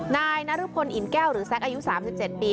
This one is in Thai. นายนรุพลอินแก้วหรือแซ็กอายุ๓๗ปี